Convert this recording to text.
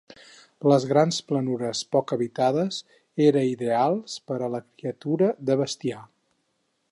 Les grans planures, poc habitades, era ideals per a la criatura de bestiar.